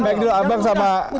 baik dulu abang sama